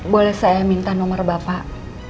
boleh saya minta nomor bapak